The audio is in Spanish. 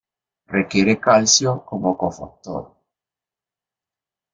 Requiere calcio como cofactor.